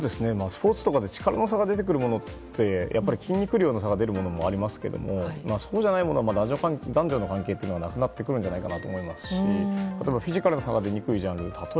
スポーツとかで力の差が出てくるものって筋肉量の差が出てくるものがありますけどそうじゃないものは男女の関係というのはなくなってくるんじゃないかと思いますしフィジカルの差が出にくいジャンル